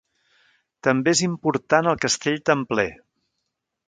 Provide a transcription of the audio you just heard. També és important el castell templer.